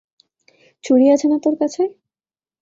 ছুড়ি আছে না তোর কাছে?